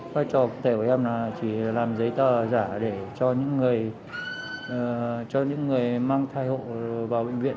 phát triệu của em là chỉ làm giấy tờ giả để cho những người mang thai hộ vào bệnh viện